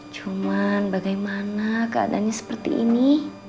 cuman bagaimana keadaannya seperti ini